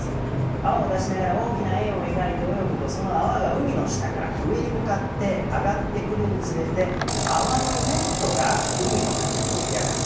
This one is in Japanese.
泡を出しながら大きな円を描いて泳ぐとその泡が海の下から上に向かって上がってくるにつれて泡のネットが海の中に出来上がります。